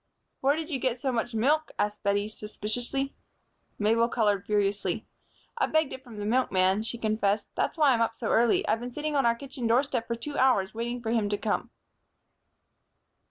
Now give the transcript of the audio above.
"Where did you get so much milk?" asked Bettie, suspiciously. Mabel colored furiously. "I begged it from the milkman," she confessed. "That's why I'm up so early. I've been sitting on our kitchen doorstep for two hours, waiting for him to come."